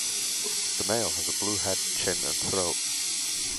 The male has a blue head, chin and throat.